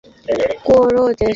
বের করো ওদের।